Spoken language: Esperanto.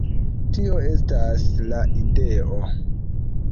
Tio estas la ideo.